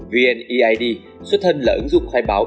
vneid xuất thân là ứng dụng khai báo